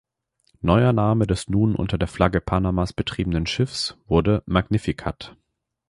Neuer Name des nun unter der Flagge Panamas betriebenen Schiffs wurde "Magnificat".